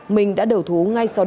minh đã đẩu thú ngay sau đó